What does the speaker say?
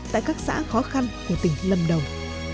tại các xã khó khăn của tỉnh lâm đồng